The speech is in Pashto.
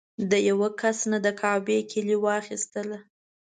د یوه کس نه د کعبې کیلي واخیستله.